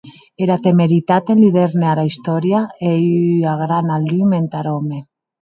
Era temeritat enludèrne ara istòria, e ei ua gran lum entar òme.